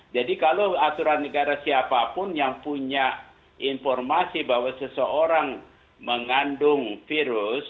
jadi kalau aturan negara siapapun yang punya informasi bahwa seseorang mengandung virus